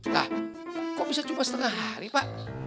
nah kok bisa cuma setengah hari pak